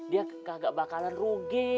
dia kagak bakalan rugi